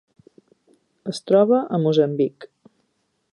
Es troba a Moçambic.